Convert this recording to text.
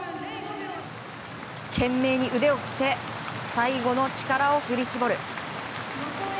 懸命に腕を振って最後の力を振り絞る。